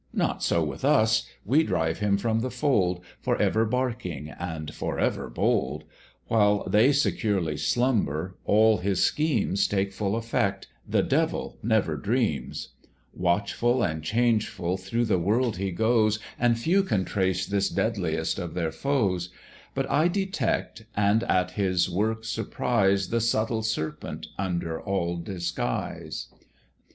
Not so with us; we drive him from the fold, For ever barking and for ever bold: While they securely slumber, all his schemes Take full effect, the Devil never dreams: Watchful and changeful through the world he goes, And few can trace this deadliest of their foes; But I detect, and at his work surprise The subtle Serpent under all disguise.